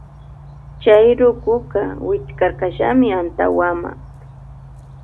Chay rukuka sikarkallami antawama.